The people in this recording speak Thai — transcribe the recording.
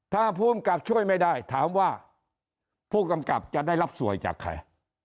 ถ้าภูมิกับช่วยไม่ได้ถามว่าผู้กำกับจะได้รับสวยจากใคร